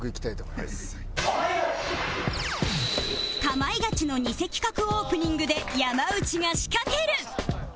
『かまいガチ』のニセ企画オープニングで山内が仕掛ける